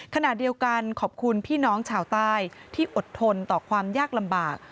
ขณะเดียวกันขอบคุณพี่น้องชาวใต้ที่อดทนต่อความยากลำบาก